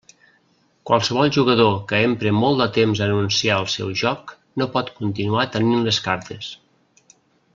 Qualsevol jugador que empre molt de temps a anunciar el seu joc, no pot continuar tenint les cartes.